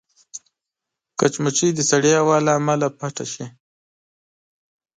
مچمچۍ د سړې هوا له امله پټه شي